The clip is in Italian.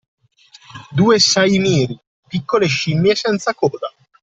Due saimiri, piccole scimmie senza coda